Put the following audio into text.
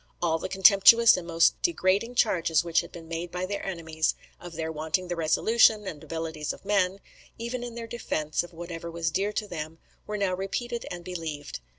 All the contemptuous and most degrading charges which had been made by their enemies, of their wanting the resolution and abilities of men, even in their defence of whatever was dear to them, were now repeated and believed.